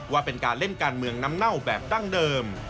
ว่าเป็นการเล่นการเมืองน้ำเน่าแบบดั้งเดิม